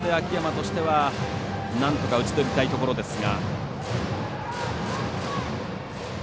ここで秋山としてはなんとか打ちとりたいところですが。